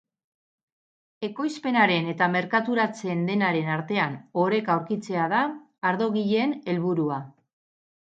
Ekoizpenaren eta merkaturatzen denaren artean oreka aurkitzea da ardogileen helburua.